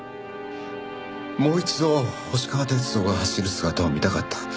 もう一度星川鐵道が走る姿を見たかった。